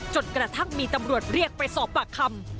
จนกระทั่งมีตำรวจเรียกไปสอบปากคำ